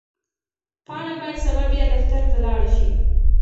پاڼه باید سبا بیا دفتر ته لاړه شي.